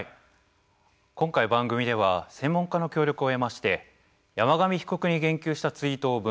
今回番組では専門家の協力を得まして山上被告に言及したツイートを分析しました。